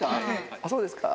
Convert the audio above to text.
ああ、そうですか。